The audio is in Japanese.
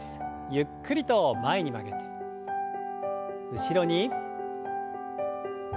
ゆっくりと前に曲げて後ろに。